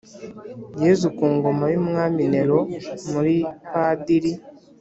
yezu ku ngoma y’umwami neron muri padiri